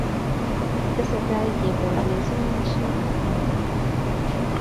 Tesetai keborienjin ng'ashaketab ngweny'